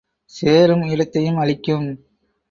சேரும் இடத்தையும் அழிக்கும்.